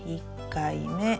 １回目。